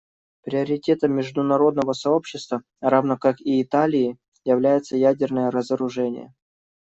Приоритетом международного сообщества, равно как и Италии, является ядерное разоружение.